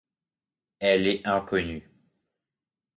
Elle est inconnue.